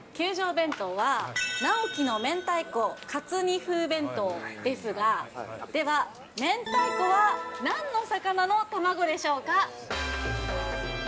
弁当は、尚輝の明太子×かつ煮風弁当ですが、では、明太子はなんの魚の卵でしょうか？